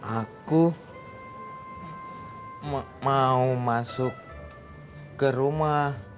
aku mau masuk ke rumah